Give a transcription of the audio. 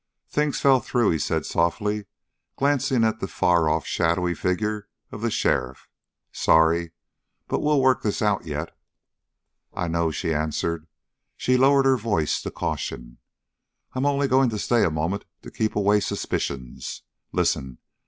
"Things fell through," he said softly, glancing at the far off shadowy figure of the sheriff. "Sorry, but we'll work this out yet." "I know," she answered. She lowered her voice to caution. "I'm only going to stay a moment to keep away suspicions. Listen!